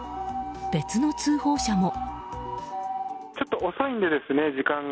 別の通報者も。